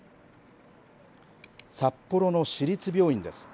札幌の市立病院です。